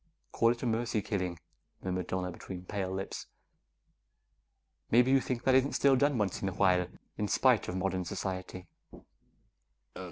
"Call it a mercy killing," murmured Donna between pale lips. "Maybe you think that isn't still done once in a while, in spite of modern society."